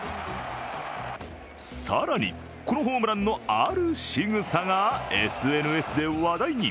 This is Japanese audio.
更に、このホームランのあるしぐさがＳＮＳで話題に。